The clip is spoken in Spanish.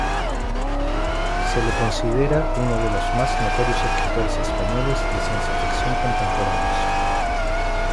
Se le considera uno de los más notorios escritores españoles de ciencia ficción contemporáneos.